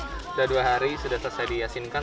udah dua hari sudah selesai dihasilkan